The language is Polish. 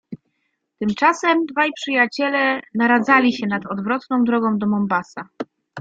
Tymczasem dwaj przyjaciele naradzali się nad odwrotną drogą do Mombassa.